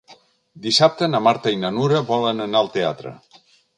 Dissabte na Marta i na Nura volen anar al teatre.